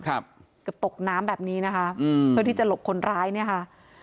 เกือบตกน้ำแบบนี้นะคะอืมเพื่อที่จะหลบคนร้ายเนี่ยค่ะ